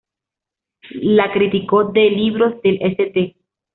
La critico de libros del "St.